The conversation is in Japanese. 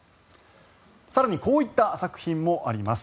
更にこういった作品もあります。